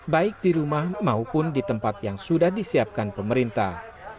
baik di rumah maupun di tempat yang sudah disiapkan pemerintah